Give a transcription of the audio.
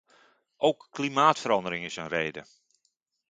Ook klimaatverandering is een reden.